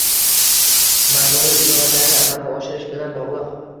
ma'muriy islohotlarni amalga oshirish bilan bog'liq